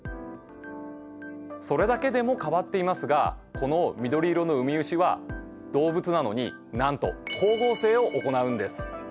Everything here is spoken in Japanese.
それだけでも変わっていますがこの緑色のウミウシは動物なのになんと光合成を行うんです。